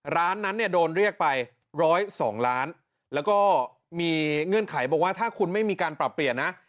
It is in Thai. ร้านนั้นเนี่ยโดนเรียกไป๑๐๒ล้านแล้วก็มีเงื่อนไขบอกว่าถ้าคุณไม่มีการปรับเปลี่ยนนะ